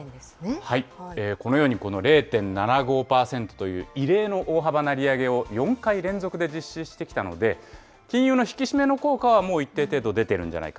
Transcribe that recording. このようにこの０．７５％という異例の大きな利上げを４回連続で実施してきたので、金融の引き締めの効果は、もう一定程度出てるんじゃないか。